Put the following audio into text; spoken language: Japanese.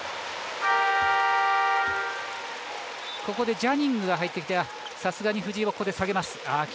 ここでジャニングが入ってきてさすがに藤井をここで下げます。